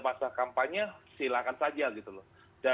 masa kampanye silahkan saja gitu loh